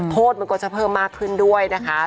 โทษมันก็จะเพิ่มมากขึ้นด้วยนะคะ